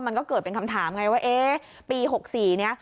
มันก็เกิดเป็นคำถามไงว่าเอ๊ะปี๖๔เนี่ย